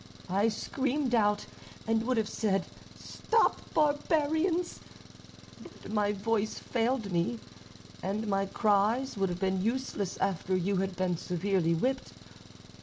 I screamed out, and would have said, 'Stop, barbarians!' but my voice failed me, and my cries would have been useless after you had been severely whipped.